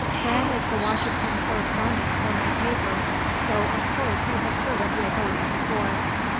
"Graham is the Washington correspondent for my paper, so of course he has heard of your boats before."